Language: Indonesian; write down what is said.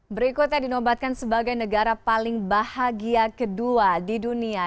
berikutnya dinobatkan sebagai negara paling bahagia kedua di dunia